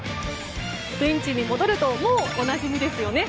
ベンチに戻るともうおなじみですよね。